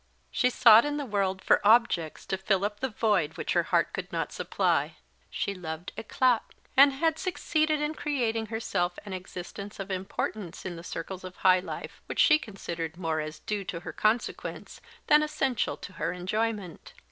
She sought in the world for objects to fill up the void which her heart could not supply. She loved éclat, and had succeeded in creating herself an existence of importance in the circles of high life, which she considered more as due to her consequence than essential to her enjoyment.